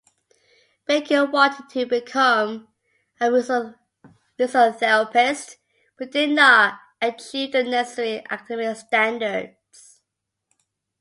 Baker wanted to become a physiotherapist, but did not achieve the necessary academic standards.